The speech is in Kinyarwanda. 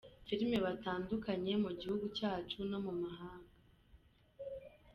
filimi batandukanye mu gihugu cyacu no mu mahanga.